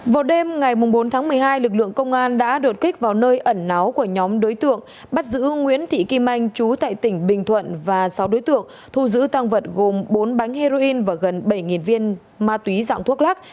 vào đêm ngày bốn tháng một mươi hai lực lượng công an đã đột kích vào nơi ẩn náu của nhóm đối tượng bắt giữ nguyễn thị kim anh chú tại tỉnh bình thuận và sáu đối tượng thu giữ tăng vật gồm bốn bánh heroin và gần bảy viên ma túy dạng thuốc lắc